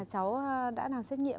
cháu đã làm xét nghiệm